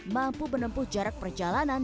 mampu menempuh jarak perjalanan